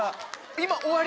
今終わり？